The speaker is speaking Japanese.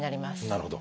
なるほど。